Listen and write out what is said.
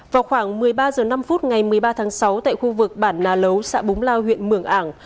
vào khoảng một mươi ba h năm ngày một mươi ba tháng sáu tại khu vực bản nà lấu xã búng lao huyện mường ảng